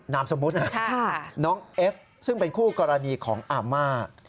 น้ำสมุดน้องเอฟซึ่งเป็นคู่กรณีของอาม่า